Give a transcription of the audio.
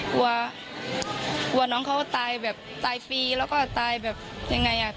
กลัวกลัวน้องเขาตายแบบตายฟรีแล้วก็ตายแบบยังไงอ่ะ